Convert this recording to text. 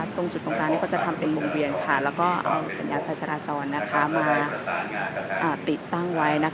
ตรงจุดตรงนั้นก็จะทำเป็นวงเวียนแล้วก็เอาสัญญาณไฟจราจรมาติดตั้งไว้